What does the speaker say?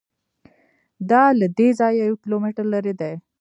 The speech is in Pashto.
دا له دې ځایه یو کیلومتر لرې دی.